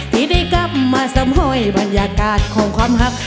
ที่ได้กลับมาซ้ำห้อยบรรยากาศของความหัก